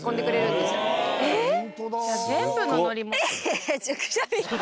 全部の乗り物。